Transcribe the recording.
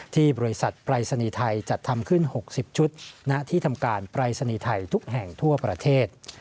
ที่บริษัทปรายศนีย์ไทยจัดทำขึ้น๖๐ชุดณที่ทำการปรายศนีย์ไทยทุกแห่งทั่วประเทศ